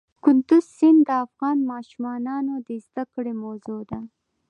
کندز سیند د افغان ماشومانو د زده کړې موضوع ده.